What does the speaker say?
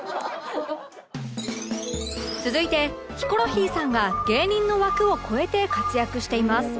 続いてヒコロヒーさんが芸人の枠を超えて活躍しています